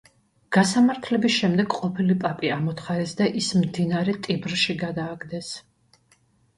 გასამართლების შემდეგ ყოფილი პაპი ამოთხარეს და ის მდინარე ტიბრში გადააგდეს.